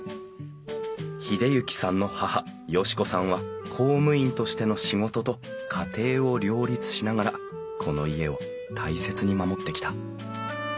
英之さんの母嘉子さんは公務員としての仕事と家庭を両立しながらこの家を大切に守ってきた。